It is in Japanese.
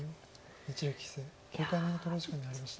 一力棋聖９回目の考慮時間に入りました。